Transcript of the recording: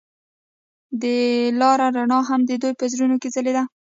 د لاره رڼا هم د دوی په زړونو کې ځلېده.